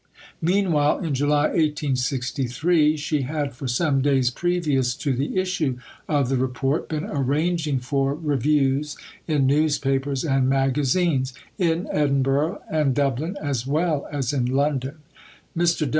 Meanwhile, in July 1863, she had, for some days previous to the issue of the Report, been arranging for reviews in newspapers and magazines, in Edinburgh and Dublin as well as in London. Mr.